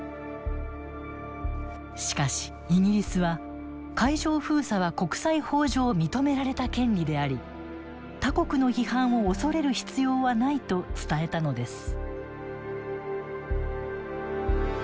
しかしイギリスは海上封鎖は国際法上認められた権利であり他国の批判を恐れる必要はないと伝えたのです。